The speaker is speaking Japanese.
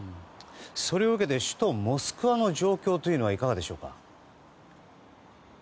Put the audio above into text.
それを受けて首都モスクワの状況はいかがでしょうか。